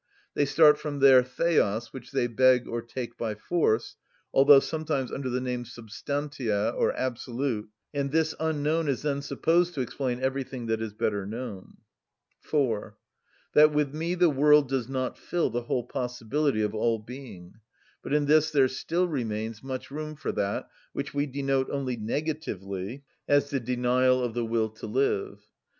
They start from their θεος, which they beg or take by force, although sometimes under the name substantia, or absolute, and this unknown is then supposed to explain everything that is better known. (4.) That with me the world does not fill the whole possibility of all being, but in this there still remains much room for that which we denote only negatively as the denial of the will to live.